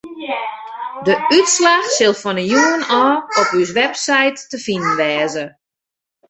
De útslach sil fan 'e jûns ôf op ús website te finen wêze.